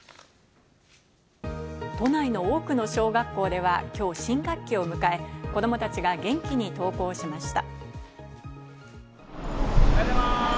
都内の多くの小学校ではきょう新学期を迎え、子どもたちが元気に登校しました。